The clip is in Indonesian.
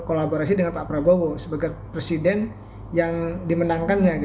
kolaborasi dengan pak prabowo sebagai presiden yang dimenangkannya